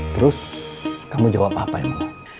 terus kamu jawab apa emang